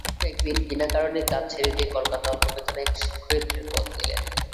অবশেষে একদিন বিনা কারণে কাজ ছেড়ে দিয়ে কলকাতায় অল্প বেতনে এক শিক্ষয়িত্রীর পদ নিলে।